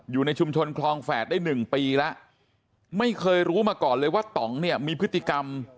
อยู่ในชุมชนคลองแฝดได้หนึ่งปีแล้วไม่เคยรู้มาก่อนเลยว่าต่องเนี่ยมีพฤติกรรม